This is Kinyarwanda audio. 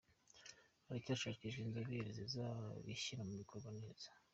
Haracyashakwa inzobere zizabishyira mu bikorwa neza.